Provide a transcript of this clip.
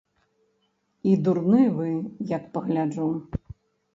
І дурны вы, як пагляджу.